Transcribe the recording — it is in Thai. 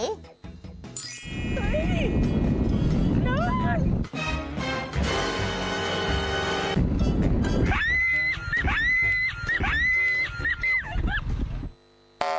โน้ว